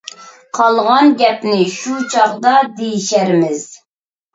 قالغان گەپنى شۇ چاغدا دېيىشەرمىز.